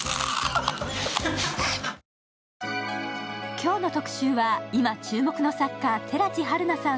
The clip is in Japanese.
今日の特集は、今注目の作家、寺地はるなさん